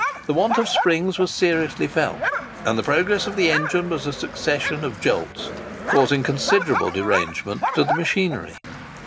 The want of springs was seriously felt; and the progress of the engine was a succession of jolts, causing considerable derangement to the machinery.